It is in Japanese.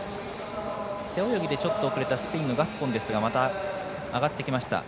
背泳ぎでちょっと遅れたスペインのガスコンですがまた上がってきました。